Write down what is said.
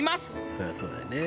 「そりゃそうだよね」